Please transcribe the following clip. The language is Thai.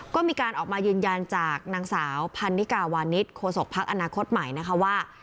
ก็มีการออกมายืนยันจากนางสาวพันนิกาวานิสโคศกพักอนาคตใหม่นะคะว่า